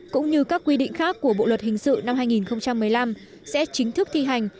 cũng như các quy định khác của bộ luật hình sự năm hai nghìn một mươi năm sẽ chính thức thi hành